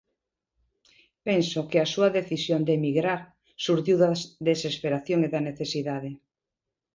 Penso que a súa decisión de emigrar xurdiu da desesperación e da necesidade.